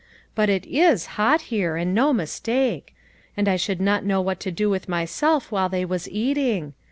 But it is hot here, and no mistake ; A COMPLETE SUCCESS. 213 and I should not know what to do with myself while they was eating.